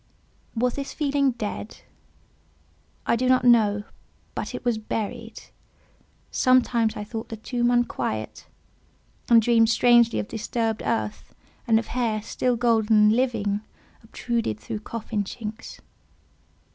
Was this feeling dead? I do not know, but it was buried. Sometimes I thought the tomb unquiet, and dreamed strangely of disturbed earth, and of hair, still golden, and living, obtruded through coffin chinks.